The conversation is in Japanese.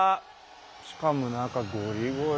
しかも中ゴリゴリ。